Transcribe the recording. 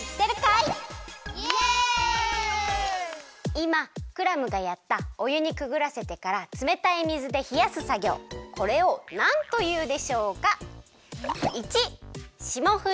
いまクラムがやったおゆにくぐらせてからつめたい水でひやすさぎょうこれをなんというでしょうか？